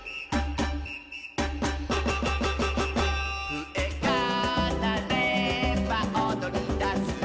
「ふえがなればおどりだす」